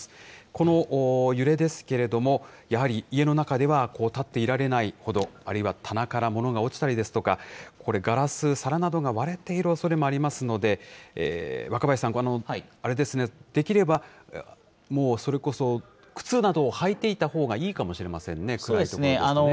この揺れですけれども、やはり家の中では、立っていられないほど、あるいは棚から物が落ちたりですとか、これ、ガラス、皿などが割れているおそれもありますので、若林さん、あれですね、できれば、もうそれこそ靴などを履いていたほうがいいかもしれませんね、暗い所ですとね。